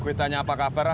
gue tanya apa kabar ah